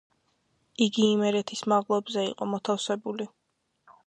იგი იმერეთის მაღლობზე იყო მოთავსებული.